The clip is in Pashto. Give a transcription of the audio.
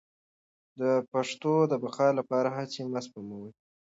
د پښتو د بقا لپاره هڅې مه سپموئ.